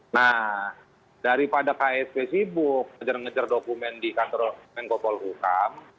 nah daripada ksp sibuk mengejar dokumen di kantor menggobol hukum